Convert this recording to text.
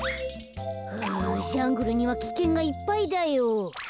フジャングルにはきけんがいっぱいだよ。